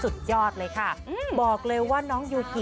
สุดยอดเลยคุณผู้ชมค่ะบอกเลยว่าเป็นการส่งของคุณผู้ชมค่ะ